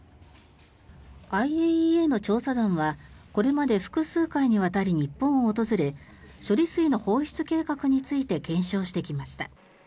ＩＡＥＡの調査団はこれまで複数回にわたり日本を訪れ処理水の放出計画について検証してきました。